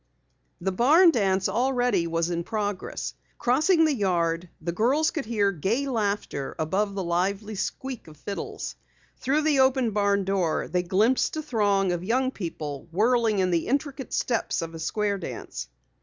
The barn dance already was in progress. Crossing the yard, the girls could hear gay laughter above the lively squeak of fiddles. Through the open barn door they glimpsed a throng of young people whirling in the intricate steps of a square dance.